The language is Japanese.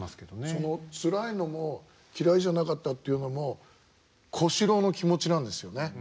そのつらいのも嫌いじゃなかったというのも小四郎の気持ちなんですよね。